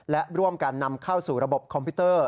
และร่วมกันนำเข้าสู่ระบบคอมพิวเตอร์